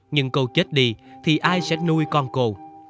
nhưng cô chết đi thì ai sẽ nuôi con cô